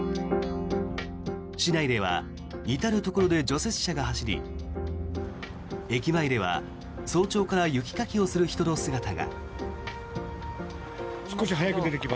市内では至るところで除雪車が走り駅前では早朝から雪かきをする人の姿が。